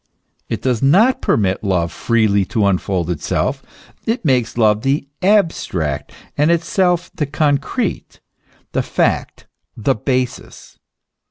It does not permit love freely to unfold itself; it makes love the abstract, and itself the concrete, the fact, the basis.